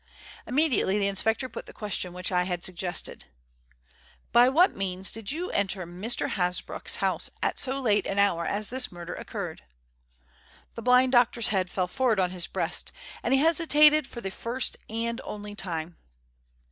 Immediately the inspector put the question which I had suggested: "By what means did you enter Mr. Hasbrouck's house at so late an hour as this murder occurred?" The blind doctor's head fell forward on his breast, and he hesitated for the first and only time.